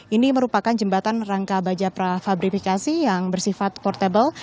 ini merupakan jembatan rangka baja prafabrifikasi yang bersifat portable